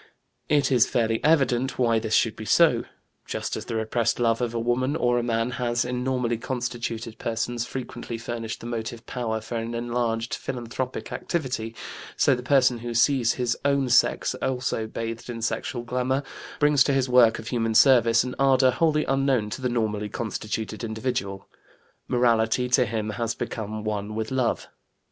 It is fairly evident why this should be so. Just as the repressed love of a woman or a man has, in normally constituted persons, frequently furnished the motive power for an enlarged philanthropic activity, so the person who sees his own sex also bathed in sexual glamour, brings to his work of human service an ardor wholly unknown to the normally constituted individual; morality to him has become one with love.